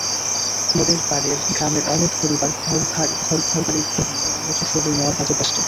নদের পাড়ের গ্রামের অনেক পরিবার ঘরবাড়ি ভেঙে অন্যত্র সরিয়ে নেওয়ার কাজে ব্যস্ত।